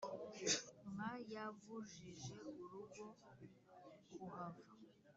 nka yabujije urugo kuhava,